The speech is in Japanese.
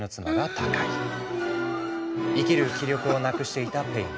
生きる気力を無くしていたペイン。